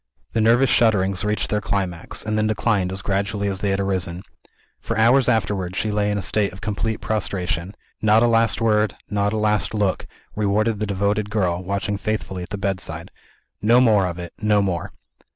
The nervous shudderings reached their climax, and then declined as gradually as they had arisen. For hours afterwards, she lay in a state of complete prostration. Not a last word, not a last look, rewarded the devoted girl, watching faithfully at the bedside. No more of it no more!